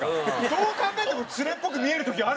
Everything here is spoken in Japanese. どう考えても連れっぽく見える時ある。